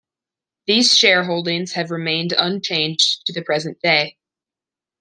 These shareholdings have remained unchanged to the present day.